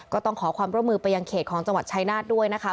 ก็ต้องขอความร่วมมือไปยังเขตของจังหวัดชายนาฏด้วยนะคะ